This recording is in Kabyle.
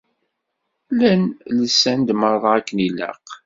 Llan lsan-d merra akken ilaq.